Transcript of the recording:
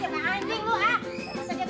enggak mau kekit